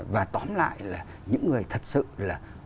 và tóm lại là những người thật sự là